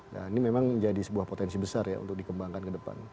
nah ini memang menjadi sebuah potensi besar ya untuk dikembangkan ke depan